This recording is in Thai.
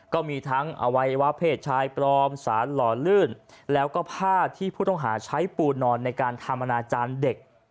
ก็มีทั้งอวัยวะเพศชายปลอมสารหล่อลื่นแล้วก็ผ้าที่ผู้ต้องหาใช้ปูนอนในการทำอนาจารย์เด็ก